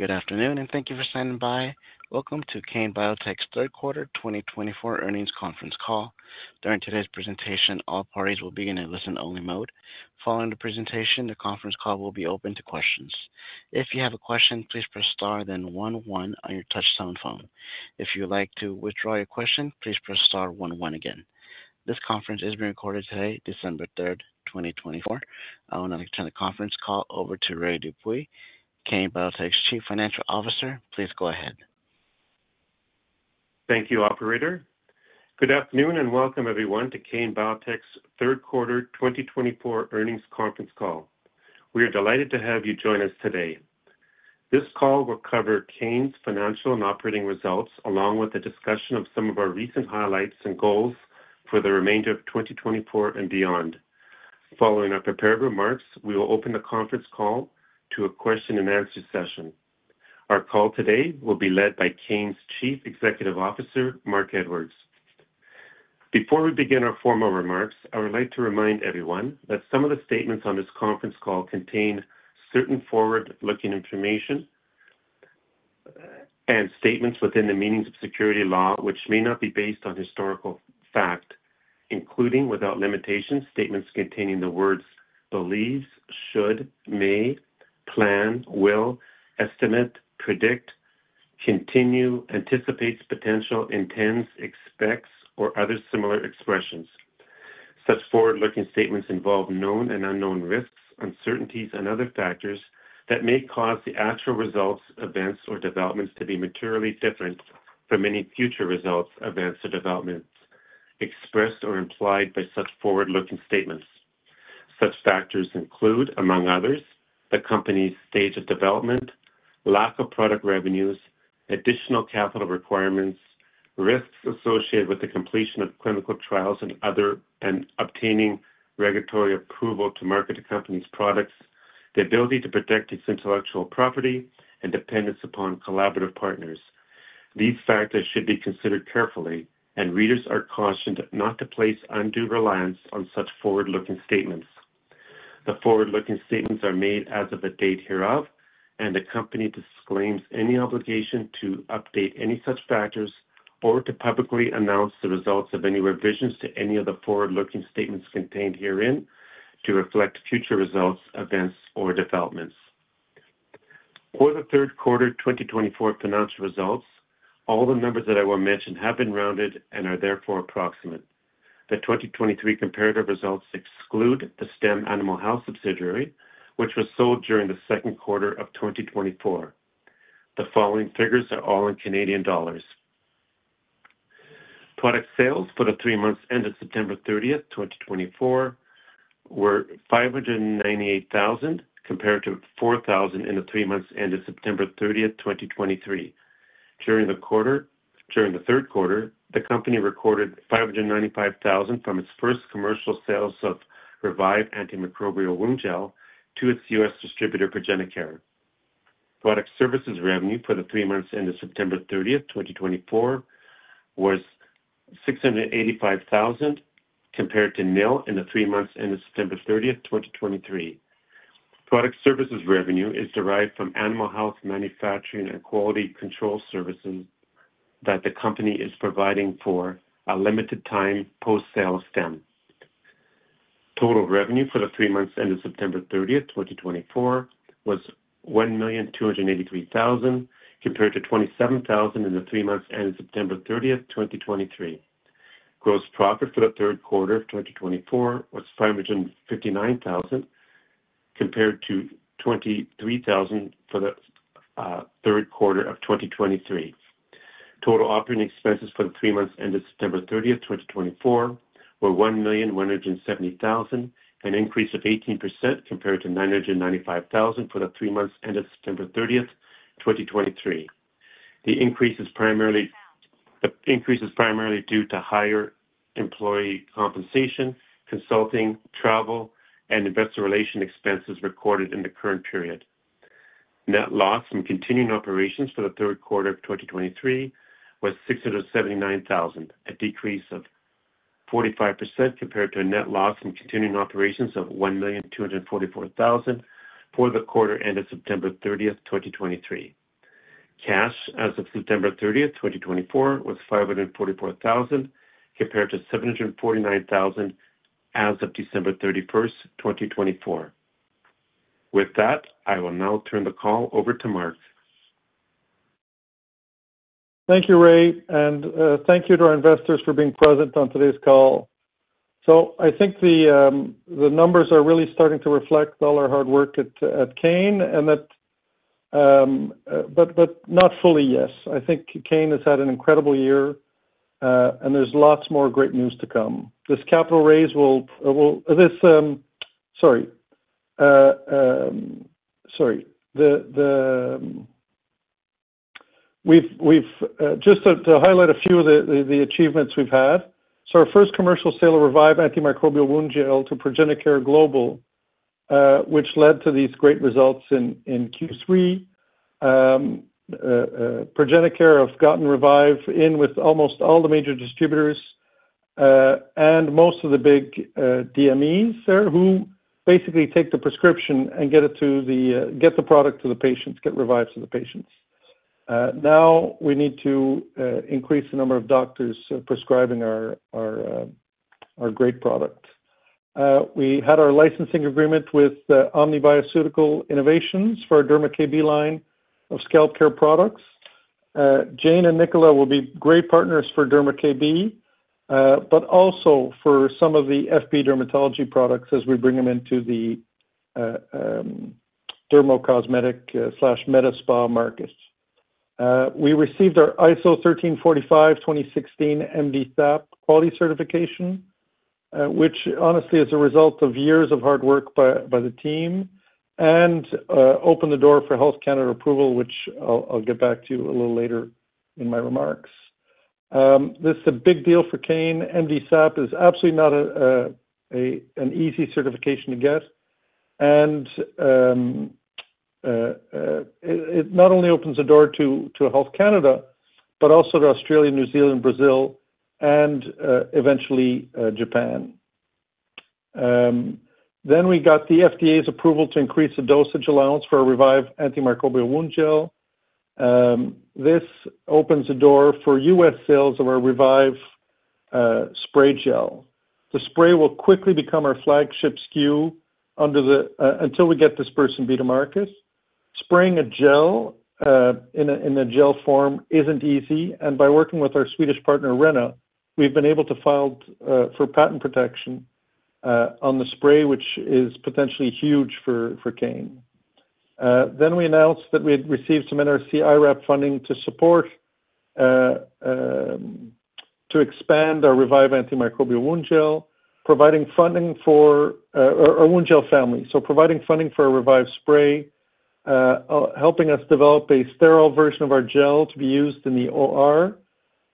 Good afternoon, and thank you for standing by. Welcome to Kane Biotech's third quarter 2024 earnings conference call. During today's presentation, all parties will be in a listen-only mode. Following the presentation, the conference call will be open to questions. If you have a question, please press star then one one on your touch-tone phone. If you would like to withdraw your question, please press star one one again. This conference is being recorded today, December 3rd, 2024. I will now turn the conference call over to Ray Dupuis, Kane Biotech's Chief Financial Officer. Please go ahead. Thank you, Operator. Good afternoon and welcome, everyone, to Kane Biotech's third quarter 2024 earnings conference call. We are delighted to have you join us today. This call will cover Kane's financial and operating results, along with a discussion of some of our recent highlights and goals for the remainder of 2024 and beyond. Following our prepared remarks, we will open the conference call to a question-and-answer session. Our call today will be led by Kane's Chief Executive Officer, Marc Edwards. Before we begin our formal remarks, I would like to remind everyone that some of the statements on this conference call contain certain forward-looking information and statements within the meanings of securities laws, which may not be based on historical fact, including without limitations, statements containing the words believes, should, may, plan, will, estimate, predict, continue, anticipates, potential, intends, expects, or other similar expressions. Such forward-looking statements involve known and unknown risks, uncertainties, and other factors that may cause the actual results, events, or developments to be materially different from any future results, events, or developments expressed or implied by such forward-looking statements. Such factors include, among others, the company's stage of development, lack of product revenues, additional capital requirements, risks associated with the completion of clinical trials and obtaining regulatory approval to market a company's products, the ability to protect its intellectual property, and dependence upon collaborative partners. These factors should be considered carefully, and readers are cautioned not to place undue reliance on such forward-looking statements. The forward-looking statements are made as of the date hereof, and the company disclaims any obligation to update any such factors or to publicly announce the results of any revisions to any of the forward-looking statements contained herein to reflect future results, events, or developments. For the third quarter 2024 financial results, all the numbers that I will mention have been rounded and are therefore approximate. The 2023 comparative results exclude the STEM Animal Health subsidiary, which was sold during the second quarter of 2024. The following figures are all in Canadian dollars. Product sales for the three months ended September 30th, 2024, were 598,000, compared to 4,000 in the three months ended September 30th, 2023. During the third quarter, the company recorded 595,000 from its first commercial sales of Revive antimicrobial wound gel to its U.S. distributor, Progenicare. Product services revenue for the three months ended September 30th, 2024, was 685,000, compared to nil in the three months ended September 30th, 2023. Product services revenue is derived from animal health manufacturing and quality control services that the company is providing for a limited time post-sale of STEM. Total revenue for the three months ended September 30th, 2024, was 1,283,000, compared to 27,000 in the three months ended September 30th, 2023. Gross profit for the third quarter of 2024 was 559,000, compared to 23,000 for the third quarter of 2023. Total operating expenses for the three months ended September 30th, 2024, were 1,170,000, an increase of 18% compared to 995,000 for the three months ended September 30th, 2023. The increase is primarily due to higher employee compensation, consulting, travel, and investor relation expenses recorded in the current period. Net loss from continuing operations for the third quarter of 2023 was 679,000, a decrease of 45% compared to a net loss from continuing operations of 1,244,000 for the quarter ended September 30th, 2023. Cash as of September 30th, 2024, was 544,000, compared to 749,000 as of December 31st, 2024. With that, I will now turn the call over to Marc. Thank you, Ray, and thank you to our investors for being present on today's call, so I think the numbers are really starting to reflect all our hard work at Kane, but not fully yes. I think Kane has had an incredible year, and there's lots more great news to come. This capital raise will, sorry. Sorry, just to highlight a few of the achievements we've had, so our first commercial sale of Revive antimicrobial wound gel to Progenicare Global, which led to these great results in Q3. Progenicare have gotten Revive in with almost all the major distributors and most of the big DMEs, who basically take the prescription and get the product to the patients, get Revive to the patients. Now we need to increase the number of doctors prescribing our great product. We had our licensing agreement with Omni Bioceutical Innovations for DermaKB line of scalp care products. Jane and Nicola will be great partners for DermaKB, but also for some of the FB Dermatology products as we bring them into the dermocosmetic/medispa markets. We received our ISO 1345:2016 MDSAP quality certification, which honestly is a result of years of hard work by the team and opened the door for Health Canada approval, which I'll get back to you a little later in my remarks. This is a big deal for Kane. MDSAP is absolutely not an easy certification to get. And it not only opens the door to Health Canada, but also to Australia, New Zealand, Brazil, and eventually Japan. Then we got the FDA's approval to increase the dosage allowance for a Revive antimicrobial wound gel. This opens the door for U.S. sales of our Revive spray gel. The spray will quickly become our flagship SKU until we get Dispersin B to market. Spraying a gel in a gel form isn't easy, and by working with our Swedish partner, Aurena, we've been able to file for patent protection on the spray, which is potentially huge for Kane. Then we announced that we had received some NRC IRAP funding to expand our Revive antimicrobial wound gel, providing funding for our wound gel family, so providing funding for a Revive spray, helping us develop a sterile version of our gel to be used in the OR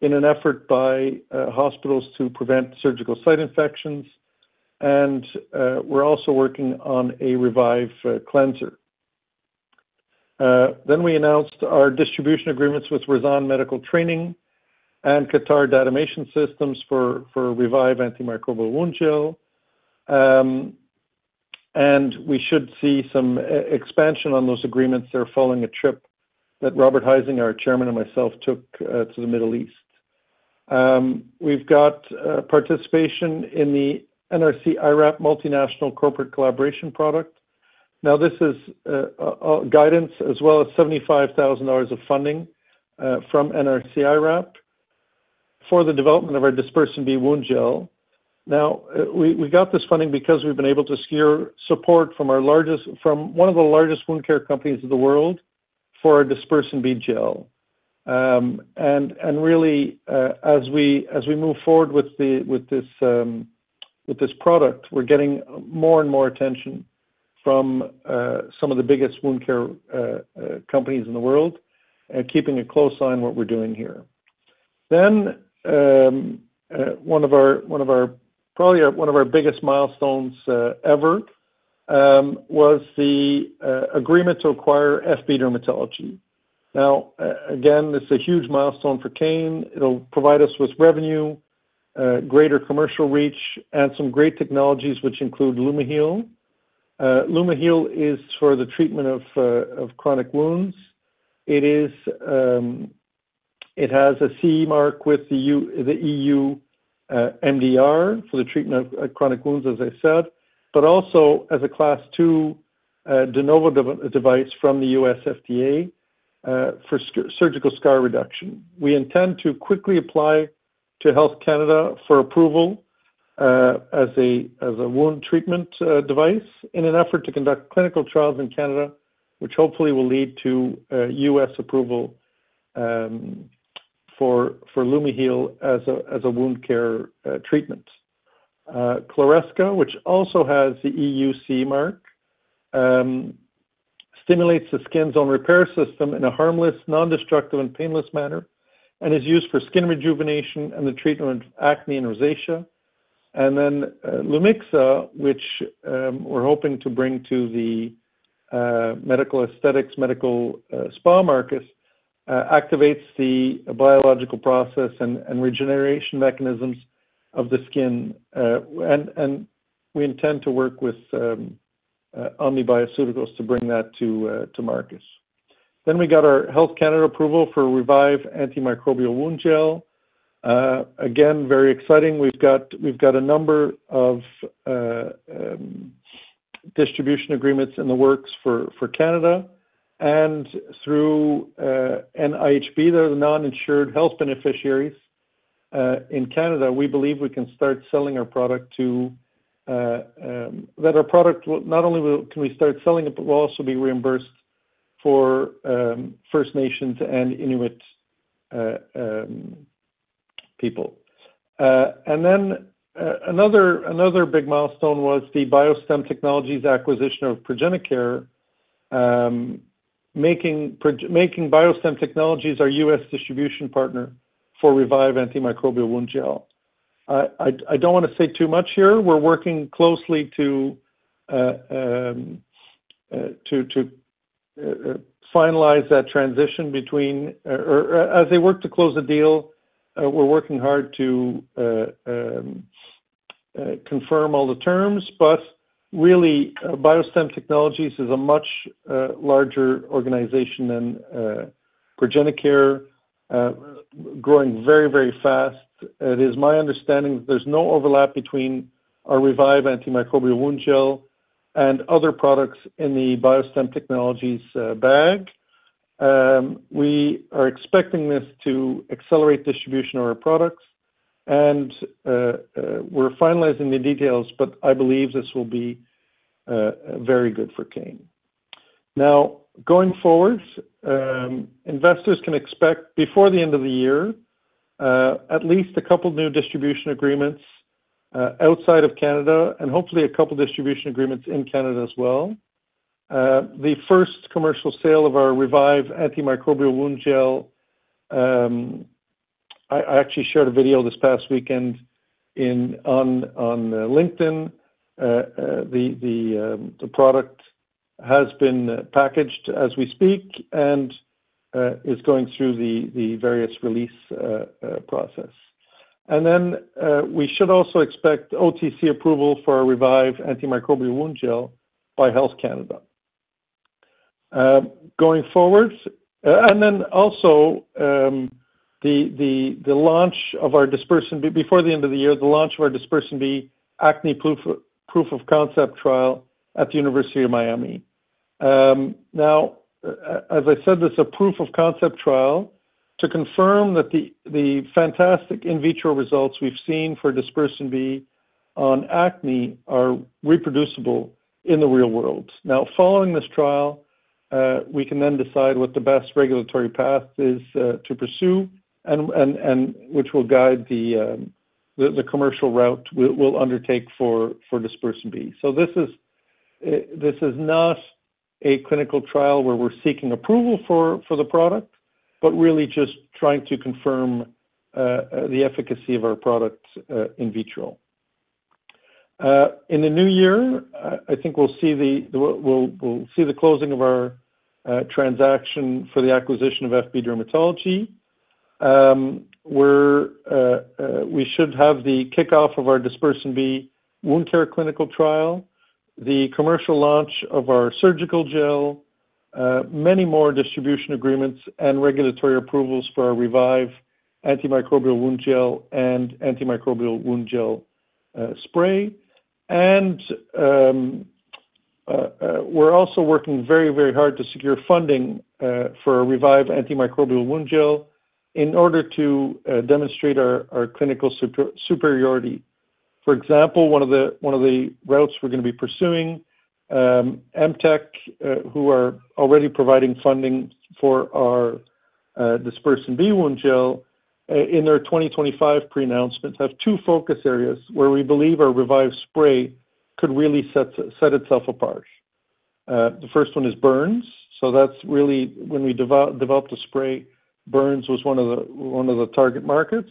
in an effort by hospitals to prevent surgical site infections. And we're also working on a Revive cleanser, then we announced our distribution agreements with Rizan Medical Training and Qatar Datamation Systems for Revive antimicrobial wound gel. We should see some expansion on those agreements there following a trip that Robert Huizinga, our Chairman, and myself took to the Middle East. We've got participation in the NRC IRAP multinational corporate collaboration product. Now, this is guidance as well as 75,000 dollars of funding from NRC IRAP for the development of our Dispersin B wound gel. Now, we got this funding because we've been able to secure support from one of the largest wound care companies of the world for our Dispersin B gel. And really, as we move forward with this product, we're getting more and more attention from some of the biggest wound care companies in the world and keeping a close eye on what we're doing here. Then one of our, probably one of our biggest milestones ever was the agreement to acquire FB Dermatology. Now, again, this is a huge milestone for Kane. It'll provide us with revenue, greater commercial reach, and some great technologies, which include LumiHeal. LumiHeal is for the treatment of chronic wounds. It has a CE mark with the EU MDR for the treatment of chronic wounds, as I said, but also as a Class II De Novo device from the U.S. FDA for surgical scar reduction. We intend to quickly apply to Health Canada for approval as a wound treatment device in an effort to conduct clinical trials in Canada, which hopefully will lead to U.S. approval for LumiHeal as a wound care treatment. Kleresca, which also has the EU CE mark, stimulates the skin's own repair system in a harmless, non-destructive, and painless manner and is used for skin rejuvenation and the treatment of acne and rosacea. Lumixa, which we're hoping to bring to the medical aesthetics medical spa market, activates the biological process and regeneration mechanisms of the skin. We intend to work with Omni Bioceuticals to bring that to market. We got our Health Canada approval for Revive antimicrobial wound gel. Again, very exciting. We've got a number of distribution agreements in the works for Canada. Through NIHB, they're the non-insured health benefits in Canada. We believe we can start selling our product, that our product not only can we start selling it, but we'll also be reimbursed for First Nations and Inuit people. Another big milestone was the BioStem Technologies acquisition of Progenicare, making BioStem Technologies our U.S. distribution partner for Revive antimicrobial wound gel. I don't want to say too much here. We're working closely to finalize that transition as they work to close the deal, we're working hard to confirm all the terms. But really, BioStem Technologies is a much larger organization than Progenicare, growing very, very fast. It is my understanding that there's no overlap between our Revive antimicrobial wound gel and other products in the BioStem Technologies bag. We are expecting this to accelerate distribution of our products. And we're finalizing the details, but I believe this will be very good for Kane. Now, going forward, investors can expect before the end of the year, at least a couple of new distribution agreements outside of Canada and hopefully a couple of distribution agreements in Canada as well. The first commercial sale of our Revive antimicrobial wound gel. I actually shared a video this past weekend on LinkedIn. The product has been packaged as we speak and is going through the various release process, and then we should also expect OTC approval for our Revive antimicrobial wound gel by Health Canada. Going forward, and then also the launch of our Dispersin B before the end of the year, the launch of our Dispersin B acne proof of concept trial at the University of Miami. Now, as I said, this is a proof of concept trial to confirm that the fantastic in vitro results we've seen for Dispersin B on acne are reproducible in the real world. Now, following this trial, we can then decide what the best regulatory path is to pursue, which will guide the commercial route we'll undertake for Dispersin B. This is not a clinical trial where we're seeking approval for the product, but really just trying to confirm the efficacy of our product in vitro. In the new year, I think we'll see the closing of our transaction for the acquisition of FB Dermatology. We should have the kickoff of our Dispersin B wound care clinical trial, the commercial launch of our surgical gel, many more distribution agreements and regulatory approvals for our Revive antimicrobial wound gel and antimicrobial wound gel spray. We're also working very, very hard to secure funding for our Revive antimicrobial wound gel in order to demonstrate our clinical superiority. For example, one of the routes we're going to be pursuing, MTEC, who are already providing funding for our Dispersin B wound gel in their 2025 pre-announcement, have two focus areas where we believe our Revive spray could really set itself apart. The first one is burns. So that's really when we developed the spray, burns was one of the target markets.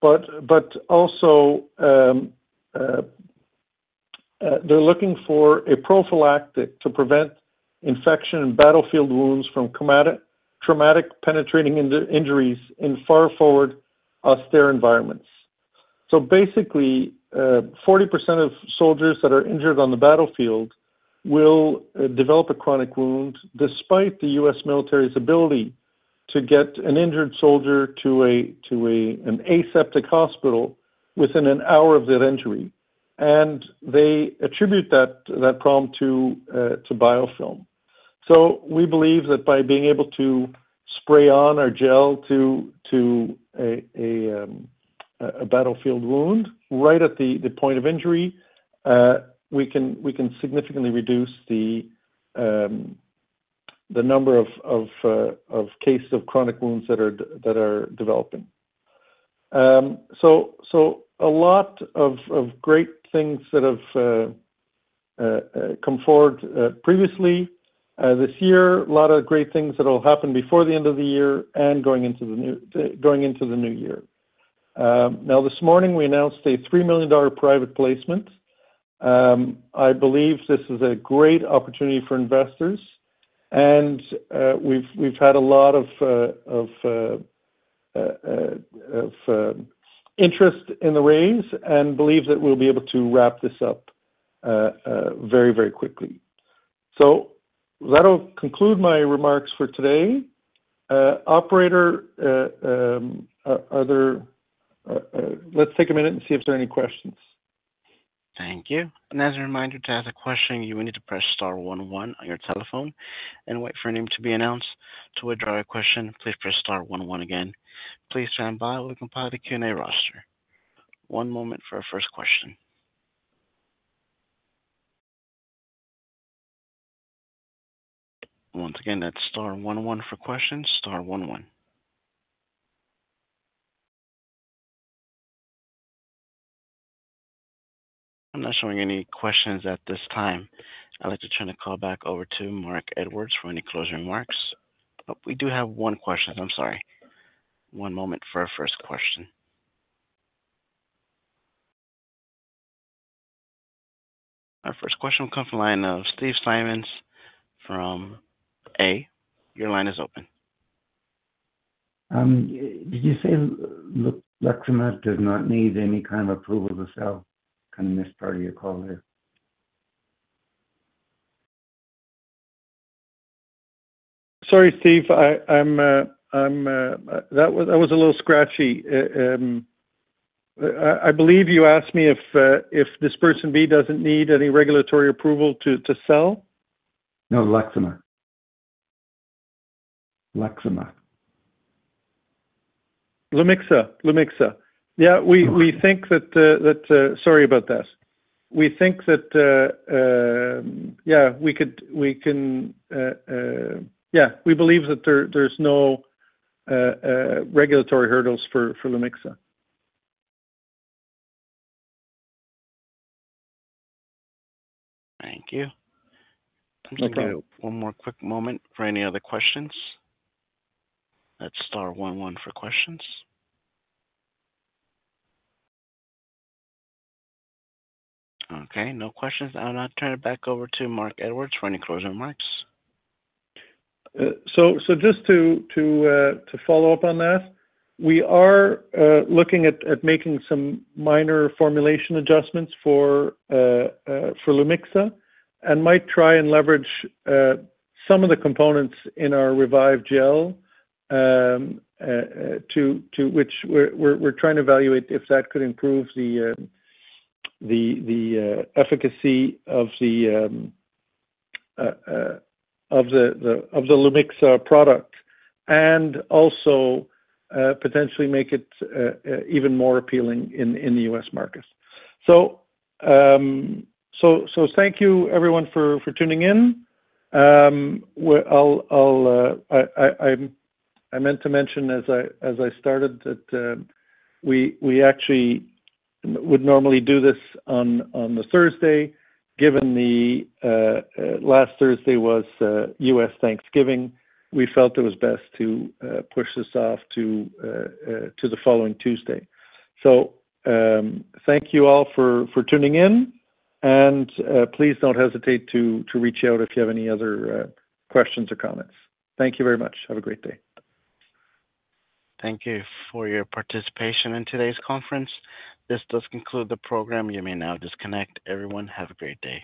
But also, they're looking for a prophylactic to prevent infection and battlefield wounds from traumatic penetrating injuries in far forward austere environments. So basically, 40% of soldiers that are injured on the battlefield will develop a chronic wound despite the U.S. military's ability to get an injured soldier to an aseptic hospital within an hour of their injury. And they attribute that problem to biofilm. So we believe that by being able to spray on our gel to a battlefield wound right at the point of injury, we can significantly reduce the number of cases of chronic wounds that are developing. A lot of great things that have come forward previously this year, a lot of great things that will happen before the end of the year and going into the new year. Now, this morning, we announced a 3 million dollar private placement. I believe this is a great opportunity for investors. We've had a lot of interest in the raise and believe that we'll be able to wrap this up very, very quickly. That'll conclude my remarks for today. Operator, let's take a minute and see if there are any questions. Thank you. And as a reminder, to ask a question, you will need to press star one one on your telephone and wait for a name to be announced. To withdraw your question, please press star one one again. Please stand by while we compile the Q&A roster. One moment for our first question. Once again, that's star one one for questions, star one one. I'm not showing any questions at this time. I'd like to turn the call back over to Marc Edwards for any closing remarks. We do have one question. I'm sorry. One moment for our first question. Our first question will come from the line of Steve Simons from [Firm Name]. Your line is open. Did you say Lumixa does not need any kind of approval to sell? Kind of missed part of your call there. Sorry, Steve. That was a little scratchy. I believe you asked me if Dispersin B doesn't need any regulatory approval to sell. No, Lumixa. Lumixa. Lumixa. Lumixa. Yeah, we think that, sorry about that. We think that, yeah, we can, yeah, we believe that there's no regulatory hurdles for Lumixa. Thank you. One more quick moment for any other questions. That's star one one for questions. Okay. No questions. I'll now turn it back over to Marc Edwards for any closing remarks. So just to follow up on that, we are looking at making some minor formulation adjustments for Lumixa and might try and leverage some of the components in our Revive gel, which we're trying to evaluate if that could improve the efficacy of the Lumixa product and also potentially make it even more appealing in the U.S. market. So thank you, everyone, for tuning in. I meant to mention as I started that we actually would normally do this on the Thursday. Given the last Thursday was U.S. Thanksgiving, we felt it was best to push this off to the following Tuesday. So thank you all for tuning in. And please don't hesitate to reach out if you have any other questions or comments. Thank you very much. Have a great day. Thank you for your participation in today's conference. This does conclude the program. You may now disconnect. Everyone, have a great day.